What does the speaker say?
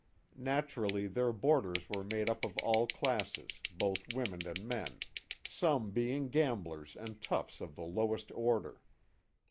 Naturally their boarders were made up of all classes, both women and men, some being gamblers and toughs of the lowest order.